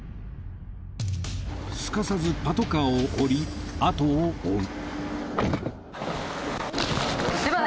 すかさずパトカーを降りあとを追う